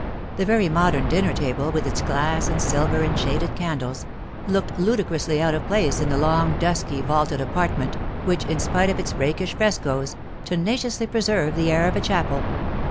The very modern dinner table, with its glass and silver and shaded candles, looked ludicrously out of place in the long, dusky, vaulted apartment, which, in spite of its rakish frescoes, tenaciously preserved the air of a chapel.